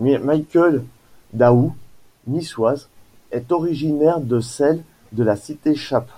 Mickael Dawood Niçoise est originaire de Chelles de la cité Chappe.